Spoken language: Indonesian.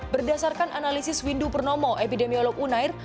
berdasarkan analisis windu purnomo epidemiolog unair